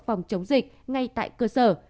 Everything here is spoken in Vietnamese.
phòng chống dịch ngay tại cơ sở